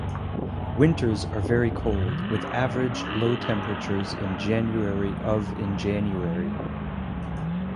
Winters are very cold, with average low temperatures in January of in January.